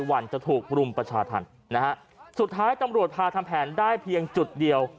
วันจะถูกรุมประชาธรรมนะฮะสุดท้ายตำรวจพาทำแผนได้เพียงจุดเดียว